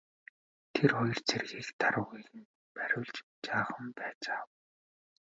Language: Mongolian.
Тэр хоёр цэргийг тарвагыг нь бариулж жаахан байцаав.